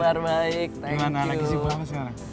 sekarang lagi sibuk apa sekarang